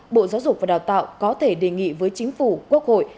bộ giáo dục và đào tạo có thể đề nghị với chính phủ quốc hội